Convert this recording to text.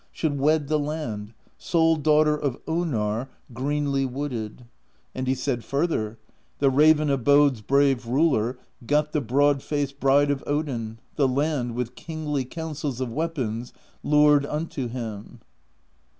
Should wed the Land, sole Daughter Of Onarr, greenly wooded. And he said further: THE POESY OF SKALDS 137 The Raven Abode's brave Ruler Got the broad faced Bride of Odin, The Land, with kingly counsels Of weapons, lured unto him.